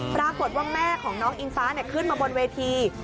ปรากฏว่าแม่ของน้องอิงฟ้าขึ้นมาบนเวที